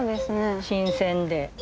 新鮮で。